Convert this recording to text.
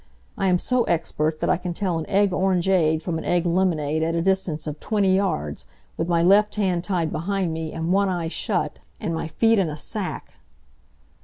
I am so expert that I can tell an egg orangeade from an egg lemonade at a distance of twenty yards, with my left hand tied behind me, and one eye shut, and my feet in a sack."